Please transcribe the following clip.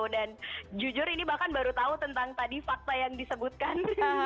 dan jujur ini bahkan baru tahu tentang tadi fakta yang disebutkan